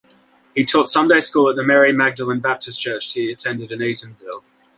He taught Sunday school at the Mary Magdalene Baptist Church he attended in Eatonville.